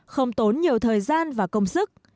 không tốn nhiều thời gian và công sức